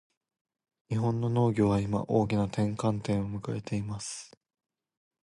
日本の農業は今、大きな転換点を迎えています。